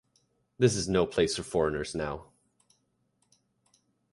This is no place for foreigners now.